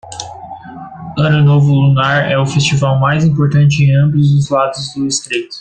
Ano Novo Lunar é o festival mais importante em ambos os lados do estreito